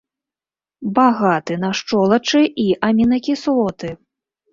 Багаты на шчолачы і амінакіслоты.